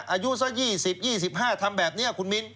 อายุสัก๒๐๒๕ทำแบบนี้คุณมิ้น